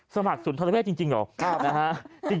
สมัครสุนทรเวศจริงเหรอ